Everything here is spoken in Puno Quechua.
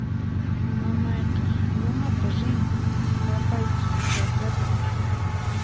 Mamayqa lumatan rin; papaytaq chakrata